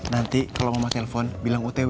nanti kalau mama telepon bilang otw